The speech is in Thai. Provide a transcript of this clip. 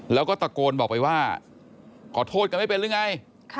แล้วก็ตะโกนบอกไปว่าขอโทษกันไม่เป็นหรือไง